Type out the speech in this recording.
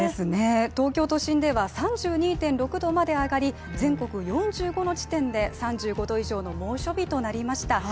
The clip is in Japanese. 東京都心では３２．６度まで上がり全国４５の地点で３５度以上の猛暑日となりました。